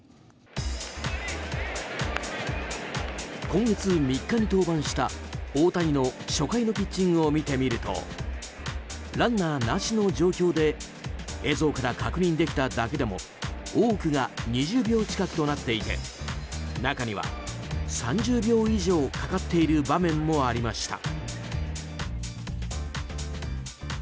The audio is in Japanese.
今月３日に登板した大谷の初回のピッチングを見てみるとランナーなしの状況で映像から確認できただけでも多くが２０秒近くとなっていて中には３０秒以上かかっている場面もありました。